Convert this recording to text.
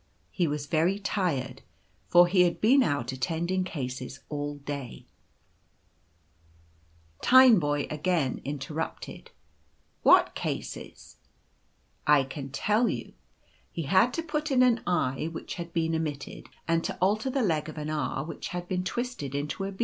He was very tired, for he had been out attending cases all day." L The Alphabet Doctor sent for. 107 Tineboy again interrupted, " What cases?" cc I can tell you. He had to put in an i which had been omitted, and to alter the leg of an R which had been twisted into a B.